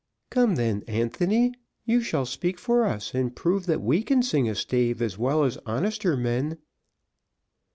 "Come then, Anthony, you shall speak for us, and prove that we can sing a stave as well as honester men."